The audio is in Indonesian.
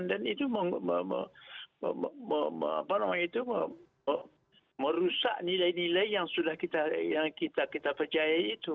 dan itu merusak nilai nilai yang sudah kita percaya itu